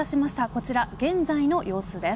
こちら現在の様子です。